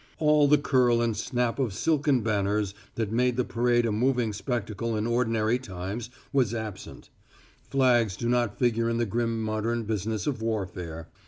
All the curl and snap of silken banners that made the parade a moving spectacle in ordinary times was absent; flags do not figure in the grim modern business of warfare.